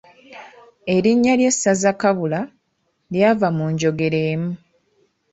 Erinnya ly’essaza Kabula, lyava mu njogera emu.